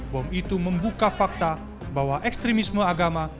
bom itu membuka fakta bahwa ekstremisme agama